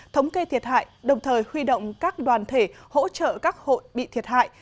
thống kê thiệt hại đồng thời huy động các đoàn thể hỗ trợ các hội bị thiệt hại